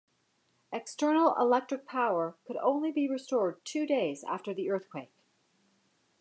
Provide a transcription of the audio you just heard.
External electric power could only be restored two days after the earthquake.